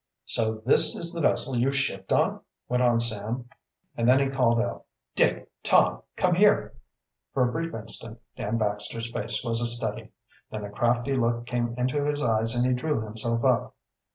"So this is the vessel you shipped on?" went on Sam. And then he called out: "Dick! Tom! Come here." For a brief instant Dan Baxter's face was a study. Then a crafty look came into his eyes and he drew himself up.